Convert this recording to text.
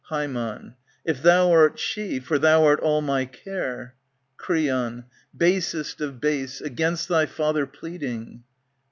^^ Ham, If thou art she, for thou art all my care. Creon. Basest of base, against thy father pleading